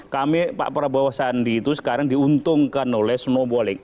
kami pak prabowo sandi itu sekarang diuntungkan oleh snowbally